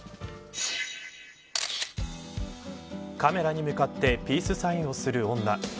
カメラに向かってピースサインをする女。